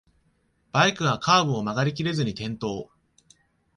バイクがカーブを曲がりきれずに転倒